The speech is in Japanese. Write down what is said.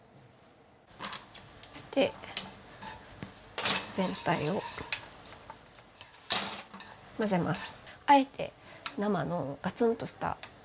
そして全体を混ぜます。